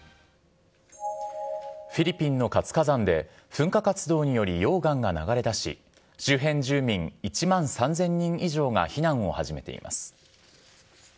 フィリピンの活火山で、噴火活動により溶岩が流れ出し、周辺住民１万３０００人以上が避難を始めています。